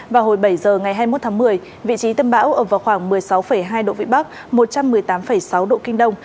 vào hồi bảy giờ ngày hai mươi một tháng một mươi vị trí tâm bão ở vào khoảng một mươi sáu hai độ vĩ bắc một trăm một mươi tám sáu độ kinh đông